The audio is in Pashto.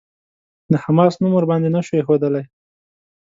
د «حماس» نوم ورباندې نه شو ايښودلای.